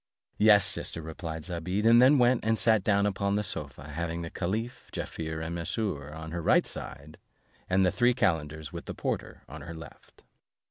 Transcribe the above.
"Yes, sister," replied Zobeide; and then went, and sat down upon the sofa, having the caliph, Jaaffier, and Mesrour, on her right hand, and the three calenders, with the porter, on her left.